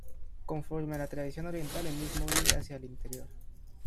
Conforme a la tradición oriental, el mismo 'vive' hacia el interior.